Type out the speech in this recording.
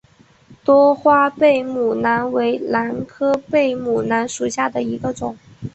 多花贝母兰为兰科贝母兰属下的一个种。